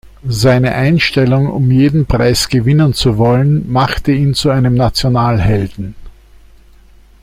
Seine Einstellung, um jeden Preis gewinnen zu wollen, machte ihn zu einem Nationalhelden.